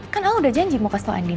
kan al udah janji mau kasih tau andin